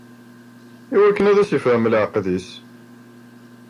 Iwakken ad asen-issefhem leɛqed-is.